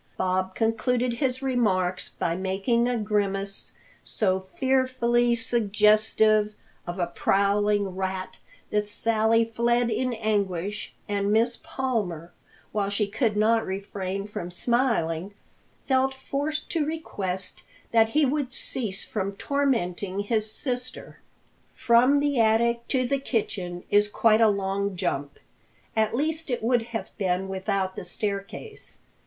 Bob concluded his remarks by making a grimace so fearfully suggestive of a prowling rat that Sally fled in anguish, and Miss Palmer, while she could not refrain from smiling, felt forced to request that he would cease from tormenting his sister. From the attic to the kitchen is quite a long jump, at least it would have been without the staircase.